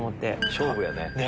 勝負やね。